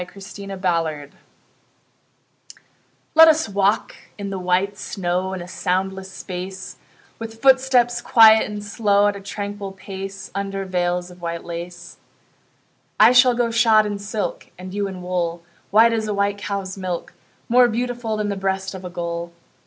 VELVET SHOES Let us walk in the white snow In a soundless space; With footsteps quiet and slow, At a tranquil pace, Under veils of white lace. I shall go shod in silk, And you in wool, White as a white cow's milk, More beautiful Than the breast of a gull.